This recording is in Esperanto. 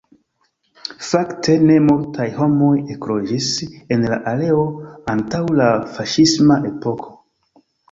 Fakte, ne multaj homoj ekloĝis en la areo antaŭ la faŝisma epoko.